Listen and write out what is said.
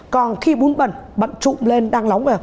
còn khi bún bẩn bạn trụm lên đang nóng